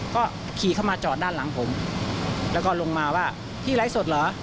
ก็ขี่เข้ามาจอดด้านหลังผมแล้วก็ลงมาว่าพี่ไลฟ์สดเหรอ